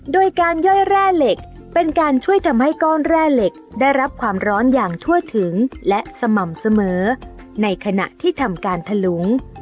โดยการย่อยแร่เหล็กเป็นการช่วยทำให้ก้อนแร่เหล็กได้รับความร้อนอย่างทั่วถึงและสม่ำเสมอในขณะที่ทำการทะลุง